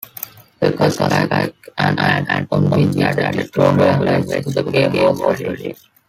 The "Cuss Pack", an add-on which added stronger language to the game, was released.